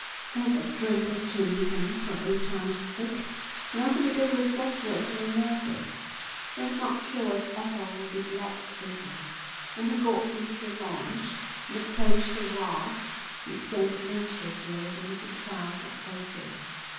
He had a drink or two with them for old times' sake, and also because he was desperately nervous. He was not sure if Ethel would be glad to see him. When he got into the launch and approached the wharf he scanned anxiously the little crowd that waited.